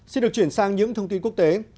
xin được chuyển sang những thông tin quốc tế